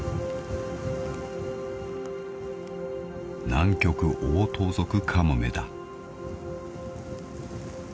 ［ナンキョクオオトウゾクカモメだ］